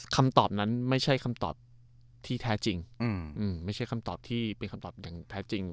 คำตอบนั้นไม่ใช่คำตอบที่แท้จริงไม่ใช่คำตอบที่เป็นคำตอบอย่างแท้จริง